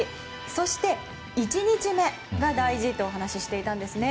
そして、１日目が大事とお話ししていたんですね。